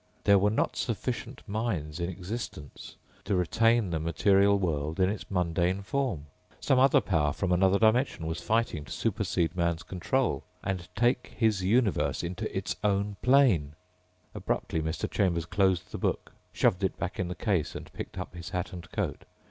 There were not sufficient minds in existence to retain the material world in its mundane form. Some other power from another dimension was fighting to supersede man's control and take his universe into its own plane! Abruptly Mr. Chambers closed the book, shoved it back in the case and picked up his hat and coat.